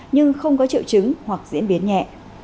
nhưng không có triệu chứng hoặc diễn biến nhẹ